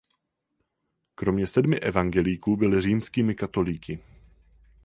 Kromě sedmi evangelíků byli římskými katolíky.